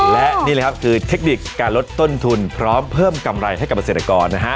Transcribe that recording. และนี่แหละครับคือเทคนิคการลดต้นทุนพร้อมเพิ่มกำไรให้กับเกษตรกรนะฮะ